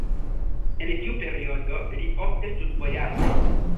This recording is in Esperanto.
En tiu periodo li ofte studvojaĝis.